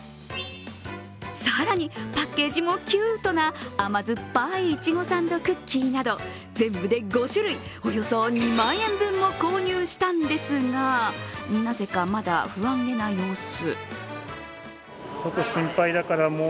さらにパッケージもキュートな甘酸っぱいいちごサンドクッキーなど全部で５種類、およそ２万円分も購入したんですがなぜか、まだ不安げな様子。